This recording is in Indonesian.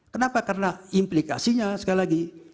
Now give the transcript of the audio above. kenapa karena implikasinya sekali lagi